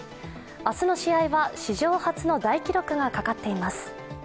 明日の試合は、史上初の大記録がかかっています。